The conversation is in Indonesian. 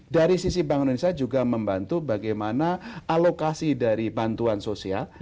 dari sisi bank indonesia juga membantu bagaimana alokasi dari bantuan sosial